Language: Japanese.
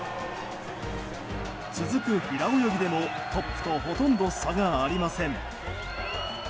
続く平泳ぎでもトップとほとんど差がありません。